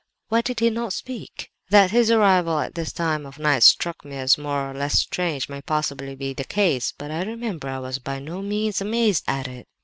Why did he not speak? "That his arrival at this time of night struck me as more or less strange may possibly be the case; but I remember I was by no means amazed at it.